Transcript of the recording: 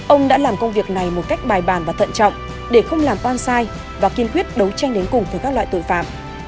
ông đã làm công việc này một cách bài bàn và thận trọng để không làm oan sai và kiên quyết đấu tranh đến cùng với các loại tội phạm